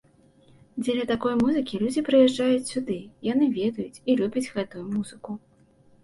Дзеля такой музыкі людзі прыязджаюць сюды, яны ведаюць і любяць гэтую музыку.